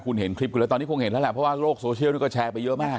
คุณเห็นคลิปกันแล้วตอนนี้คงเห็นแล้วแหละเพราะว่าโลกโซเชียลนี่ก็แชร์ไปเยอะมาก